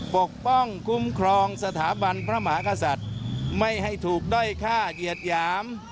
ปกป้องคุ้มครองสถาบันพระมหากษัตริย์ไม่ให้ถูกด้อยฆ่าเหยียดหยาม